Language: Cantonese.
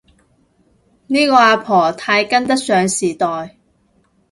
呢個阿婆太跟得上時代